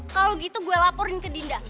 kalau gitu gue laporin ke dinda